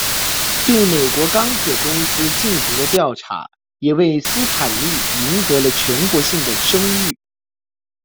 对美国钢铁公司进行的调查也为斯坦利赢得了全国性的声誉。